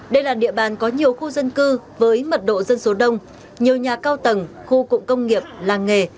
đây là địa bàn có nhiều khu dân cư với mật độ dân số đông nhiều nhà cao tầng khu cụm công nghiệp làng nghề